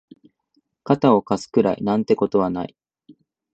肩を貸すくらいなんてことはない